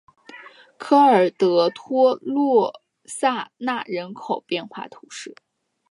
科尔德托洛萨纳人口变化图示